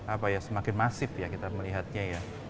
apa ya semakin masif ya kita melihatnya ya